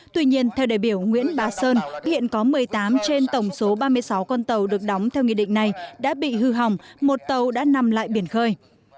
tuy nhiên theo đại biểu nguyễn bá sơn hiện có một mươi tám trên tổng số ba mươi sáu con tàu được đóng theo nghị định này đã bị hư hỏng một tàu đã nằm lại biển khơi